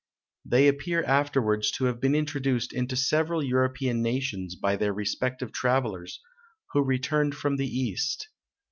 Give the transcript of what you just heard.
They appear afterwards to have been introduced into several European nations by their respective travellers, who returned from the East.